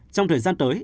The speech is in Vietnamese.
trong thời gian tới